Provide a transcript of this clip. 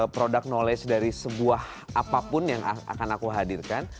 product knowledge dari sebuah apapun yang akan aku hadirkan